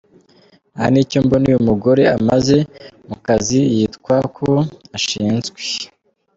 ntanicyo mbona uyumugore amaze mukazi yitwa ko ashinzwe.